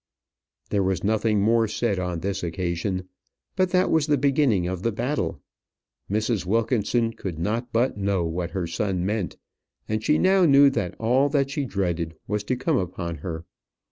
There was nothing more said on this occasion; but that was the beginning of the battle. Mrs. Wilkinson could not but know what her son meant; and she now knew that all that she dreaded was to come upon her.